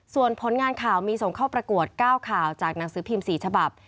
ส่วนผลงานข่าวมีส่งเข้าประกวด๙ข่าวจากหนังสือพิมพ์๔ฉบับ